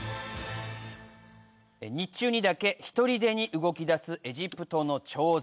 日中にだけひとりでに動きだすエジプトの彫像